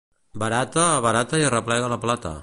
Barata, barata i arreplega la plata.